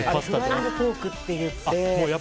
フライングフォークっていって。